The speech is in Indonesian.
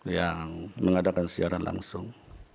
yang mengadakan siaran langsung